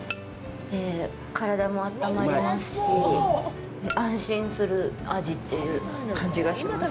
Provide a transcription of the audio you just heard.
体も温まりますし、安心する味っていう感じがします。